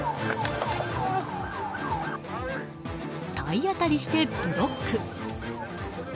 体当たりしてブロック。